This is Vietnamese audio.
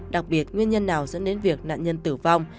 đặc biệt nguyên nhân nào dẫn đến việc nạn nhân tử vong